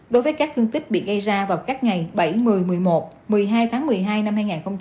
đối với các thương tích bị gây ra vào các ngày bảy một mươi một mươi một một mươi hai tháng một mươi hai năm hai nghìn hai mươi